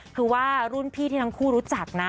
คือว่ารุ่นพี่ที่ทั้งคู่รู้จักนะ